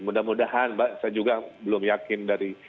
mudah mudahan saya juga belum yakin dari